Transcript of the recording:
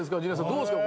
どうですか？